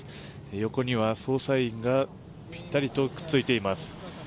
横には捜査員がぴったりとくっついています。